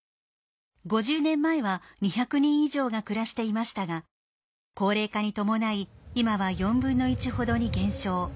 ５０年前は２００人以上が暮らしていましたが高齢化に伴い今は４分の１ほどに減少。